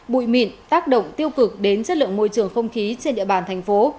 bụi mịn tác động tiêu cực đến chất lượng môi trường không khí trên địa bàn thành phố